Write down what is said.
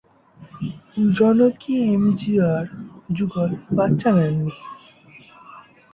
জনকী-এমজিআর যুগল বাচ্চা নেননি।